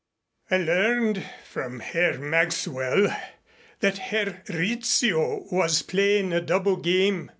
"I learned from Herr Maxwell that Herr Rizzio was playing a double game.